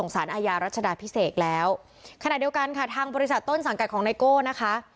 สารอาญารัชดาพิเศษแล้วขณะเดียวกันค่ะทางบริษัทต้นสังกัดของไนโก้นะคะ